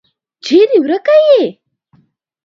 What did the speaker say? چیري ورکه یې ؟